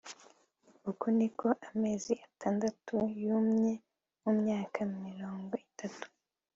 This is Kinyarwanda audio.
uku niko amezi atandatu yumye mumyaka mirongo itatu